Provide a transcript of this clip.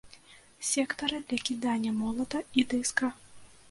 Сектары для кідання молата і дыска.